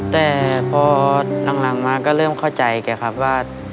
แต่พอหลังมาก็เริ่มเข้าใจแกครับว่า